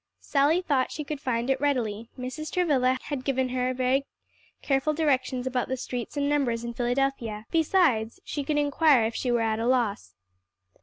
Sally thought she could find it readily; Mrs. Travilla had given her very careful directions about the streets and numbers in Philadelphia; besides, she could inquire if she were at a loss.